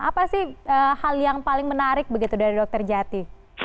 apa sih hal yang paling menarik begitu dari dokter jati